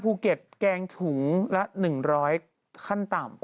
ภูเก็ตแกงถุงละ๑๐๐ขั้นต่ำ